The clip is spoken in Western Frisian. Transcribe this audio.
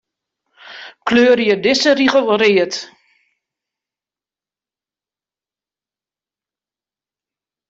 Kleurje dizze rigel read.